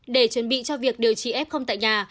để chuẩn bị cho việc điều trị ép không tại nhà